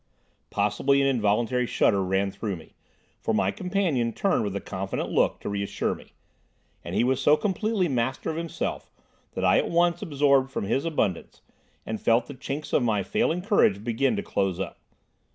Possibly an involuntary shudder ran over me, for my companion turned with a confident look to reassure me, and he was so completely master of himself that I at once absorbed from his abundance, and felt the chinks of my failing courage beginning to close up.